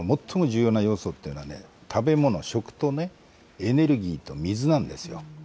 レジリエンスのもっとも重要な要素というのは、食べ物、食とね、エネルギーと水なんですよ。